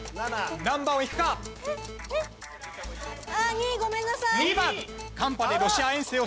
２。ごめんなさい。